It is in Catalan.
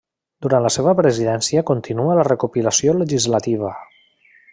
Durant la seva presidència continua la recopilació legislativa.